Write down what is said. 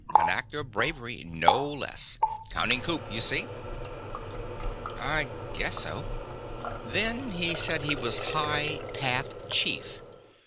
An act of bravery, no less. Counting coup, you see?" "I guess so." "Then he said he was High Path Chief.